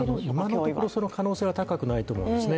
今のところその可能性は高くないと思うんですね。